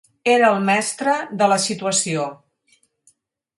Era el mestre de la situació.